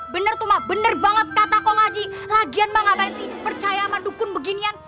bener tuh mak bener banget kata kau ngaji lagian mak ngapain sih percaya sama dukun beginian